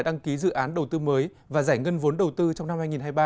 đăng ký dự án đầu tư mới và giải ngân vốn đầu tư trong năm hai nghìn hai mươi ba